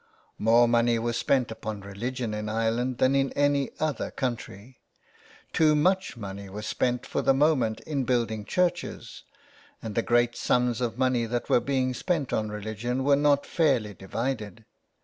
More money was spent upon religiorr in Ireland than in any other country. Too much money was spent for the moment in building churches, and the great sums of money that were being spent on religion were not fairly divided.